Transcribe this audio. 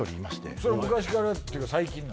それは昔からっていうか最近なの？